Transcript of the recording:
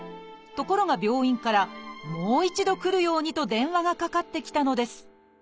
ところが病院から「もう一度来るように」と電話がかかってきたのです。